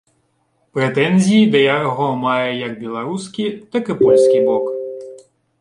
Прэтэнзіі да яго мае як беларускі, так і польскі бок.